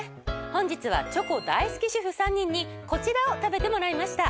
本日はチョコ大好き主婦３人にこちらを食べてもらいました。